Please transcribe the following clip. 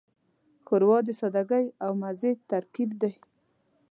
ښوروا د سادګۍ او مزې ترکیب دی.